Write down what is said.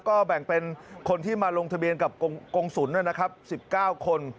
ก็แบ่งเป็นคนที่มาลงทะเบียนกับกงศุลนะครับ๑๙คน